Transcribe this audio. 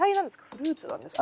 フルーツなんですか？